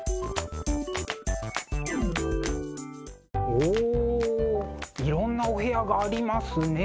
おいろんなお部屋がありますね。